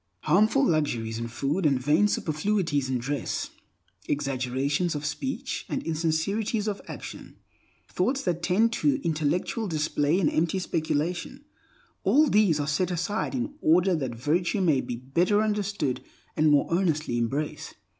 Harmful luxuries in food and vain superfluities in dress; exaggerations of speech and insincerities of action; thoughts that tend to intellectual display and empty speculation—all these are set aside in order that virtue may be better understood and more earnestly embraced.